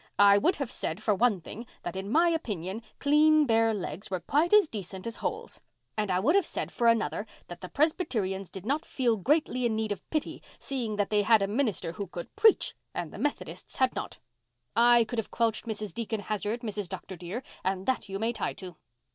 "I would have said, for one thing, that in my opinion clean bare legs were quite as decent as holes. And I would have said, for another, that the Presbyterians did not feel greatly in need of pity seeing that they had a minister who could preach and the Methodists had not. I could have squelched Mrs. Deacon Hazard, Mrs. Dr dear, and that you may tie to."